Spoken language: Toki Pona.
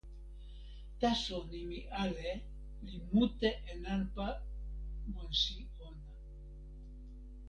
taso nimi "ale" li mute e nanpa monsi ona.